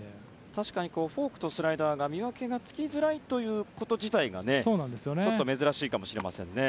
確かにフォークとスライダーの見分けがつきづらいこと自体が珍しいかもしれませんね。